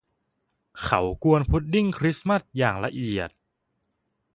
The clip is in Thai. เขากวนพุดดิ้งคริสต์มาสอย่างละเอียด